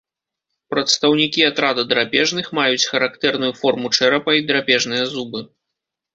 Прадстаўнікі атрада драпежных маюць характэрную форму чэрапа і драпежныя зубы.